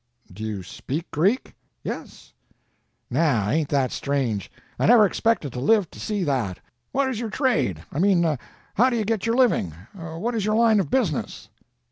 "Do you speak Greek?" "Yes." "Now, ain't that strange! I never expected to live to see that. What is your trade? I mean how do you get your living? What is your line of business?"